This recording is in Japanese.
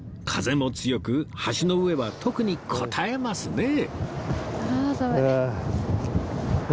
風も強く橋の上は特にこたえますね